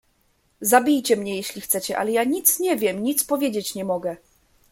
"Zabijcie mnie, jeśli chcecie, ale ja nic nie wiem, nic powiedzieć nie mogę."